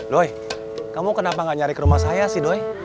doi kamu kenapa nggak nyari ke rumah saya sih doi